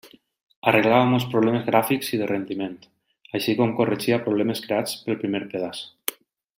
Arreglava molts problemes gràfics i de rendiment, així com corregia problemes creats pel primer pedaç.